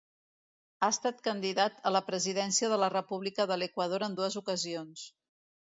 Ha estat candidat a la presidència de la República de l'Equador en dues ocasions.